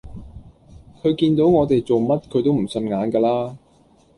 佢見到我哋做乜佢都唔順眼架啦